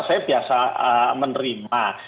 saya biasa menerima